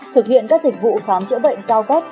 thực hiện các dịch vụ khám chữa bệnh cao cấp